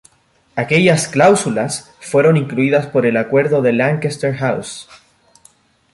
Aquellas cláusulas fueron incluidas por el Acuerdo de Lancaster House.